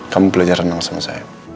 kamu belajar renang sama saya